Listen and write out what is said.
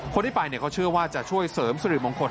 คนที่ไปเขาเชื่อว่าจะช่วยเสริมสิริมงคล